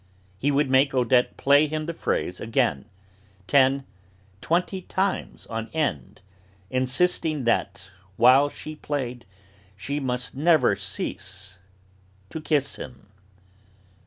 He would make Odette play him the phrase again, ten, twenty times on end, insisting that, while she played, she must never cease to kiss him.